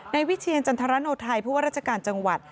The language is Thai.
วิเชียรจันทรโนไทยผู้ว่าราชการจังหวัด